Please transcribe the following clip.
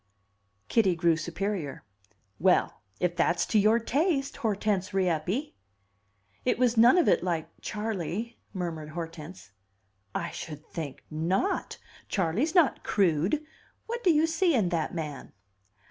Kitty grew superior. "Well, if that's to your taste, Hortense Rieppe!" "It was none of it like Charley," murmured Hortense. "I should think not! Charley's not crude. What do you see in that man?"